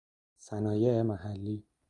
صنایع محلی